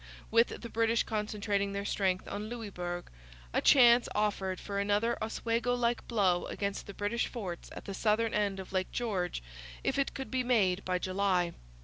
With the British concentrating their strength on Louisbourg a chance offered for another Oswego like blow against the British forts at the southern end of Lake George if it could be made by July.